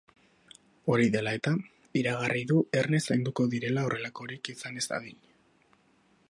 Hori dela eta, iragarri du erne zainduko direla horrelakorik izan ez dadin.